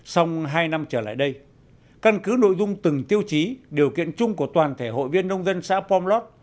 xong hai năm trở lại đây căn cứ nội dung từng tiêu chí điều kiện chung của toàn thể hội viên nông dân xã pomlot